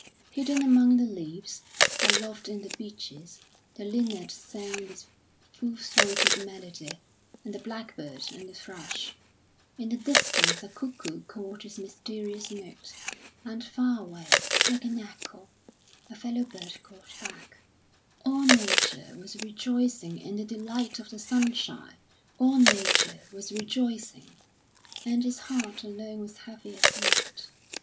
Hidden among the leaves, aloft in the beeches, the linnet sang with full throated melody, and the blackbird and the thrush. In the distance a cuckoo called its mysterious note, and far away, like an echo, a fellow bird called back. All Nature was rejoicing in the delight of the sunshine; all Nature was rejoicing, and his heart alone was heavy as lead.